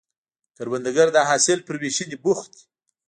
کروندګر د حاصل پر ویشنې بوخت دی